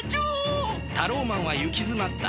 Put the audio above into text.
タローマンはゆきづまった。